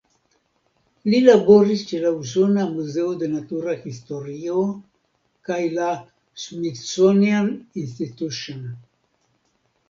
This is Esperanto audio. Li laboris ĉe la Usona Muzeo de Natura Historio kaj la "Smithsonian Institution".